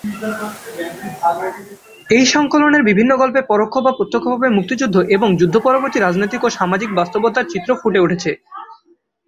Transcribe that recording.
এই সংকলনের বিভিন্ন গল্পে পরোক্ষ বা প্রত্যক্ষভাবে মুক্তিযুদ্ধ এবং যুদ্ধ-পরবর্তী রাজনৈতিক এবং সামাজিক বাস্তবতার চিত্র ফুটে উঠেছে।